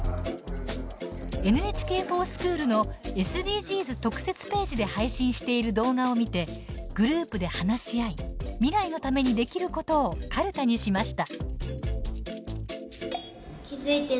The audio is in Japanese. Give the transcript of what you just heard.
「ＮＨＫｆｏｒＳｃｈｏｏｌ」のＳＤＧｓ特設ページで配信している動画を見てグループで話し合い未来のためにできることをかるたにしました。